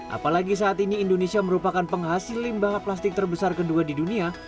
apalagi saat ini indonesia merupakan penghasil limbah plastik terbesar kedua di dunia